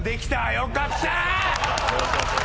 よかった！